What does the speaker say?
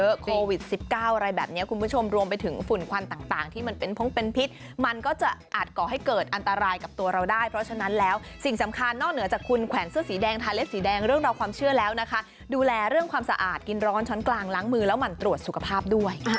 โควิด๑๙อะไรแบบนี้คุณผู้ชมรวมไปถึงฝุ่นควันต่างที่มันเป็นพงเป็นพิษมันก็จะอาจก่อให้เกิดอันตรายกับตัวเราได้เพราะฉะนั้นแล้วสิ่งสำคัญนอกเหนือจากคุณแขวนเสื้อสีแดงทาเล็บสีแดงเรื่องราวความเชื่อแล้วนะคะดูแลเรื่องความสะอาดกินร้อนช้อนกลางล้างมือแล้วหมั่นตรวจสุขภาพด้วย